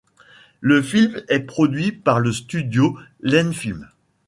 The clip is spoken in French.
Le film est produit par le studio Lenfilm.